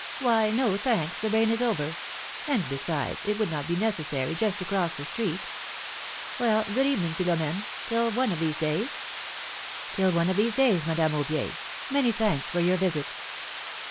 '^Why, no, thanks, the rain is over; and besides it would not be necessary just to cross the street. Well, good evening, Philomene ; till one of these days.'^ ^^Till one of these days, Madame Aubier; many thanks for your visit